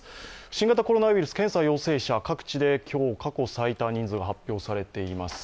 新型コロナウイルス、検査陽性者、各地で今日、過去最多の人数が発表されています。